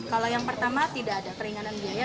kalau yang pertama tidak ada keringanan biaya